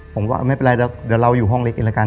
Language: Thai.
ผมก็ไม่เป็นไรเดี๋ยวเราอยู่ห้องเล็กอีกแล้วกัน